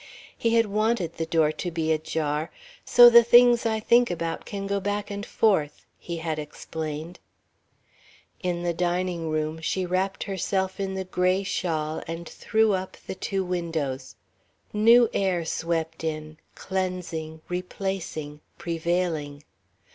He had wanted the door to be ajar "so the things I think about can go back and forth," he had explained. In the dining room she wrapped herself in the gray shawl and threw up the two windows. New air swept in, cleansing, replacing, prevailing.